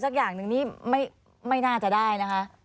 อย่างหนึ่งนี่ไม่น่าจะได้นะคะ